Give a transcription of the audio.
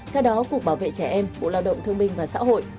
theo đó cục bảo vệ trẻ em bộ lao động thương minh và xã hội